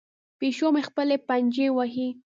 پیشو مې خپلې پنجې وهي.